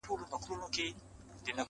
مخ ته مي لاس راوړه چي ومي نه خوري,